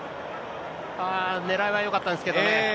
あぁ、ねらいはよかったですけどね。